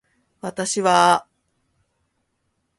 私はあ